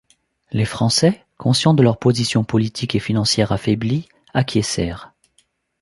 Les Français, conscients de leur position politique et financière affaiblie, acquiescèrent.